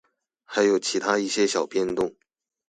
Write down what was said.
还有其它一些小变动。